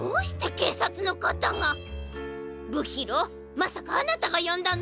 まさかあなたがよんだの！？